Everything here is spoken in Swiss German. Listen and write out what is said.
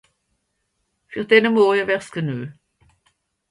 Fer denne Morje wär's genue.